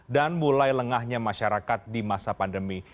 dan mulai lengahnya masyarakat di masa pandemi